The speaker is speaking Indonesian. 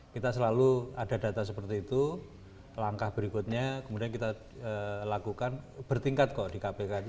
kita selalu ada data seperti itu langkah berikutnya kemudian kita lakukan bertingkat kok di kpk itu